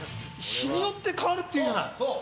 日によって変わるっていうじゃない？